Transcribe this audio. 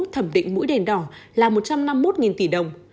thẩm định mũi đèn đỏ là một trăm năm mươi một tỷ đồng